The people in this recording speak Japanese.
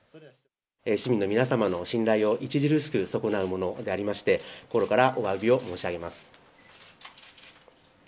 市民の皆様の信頼を著しく損なうものでありまして、心からおわびを申し上げます。